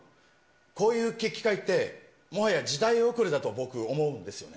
こういう決起会って、もはや時代遅れだと、僕、思うんですよね。